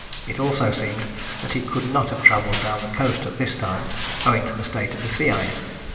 It also seemed that he could not have travelled down the coast at this time, owing to the state of the sea ice.